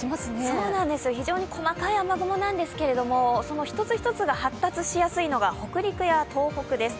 非常に細かい雨雲なんですけれども、その１つ１つが発達しやすいのが北陸や東北です。